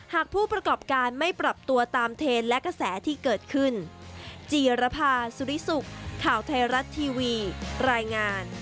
หากผู้ประกอบการไม่ปรับตัวตามเทนและกระแสที่เกิดขึ้น